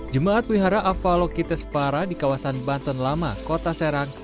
jemaat wihara afalokitesvara di kawasan banten lama kota serang